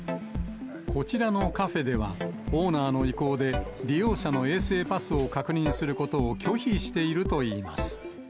こちらのカフェでは、オーナーの意向で、利用者の衛生パスを確認することを拒否しているといいます。